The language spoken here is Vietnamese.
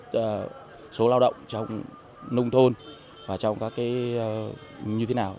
giải quyết số lao động trong nông thôn và trong các cái như thế nào